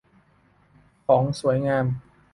ของสวยงาม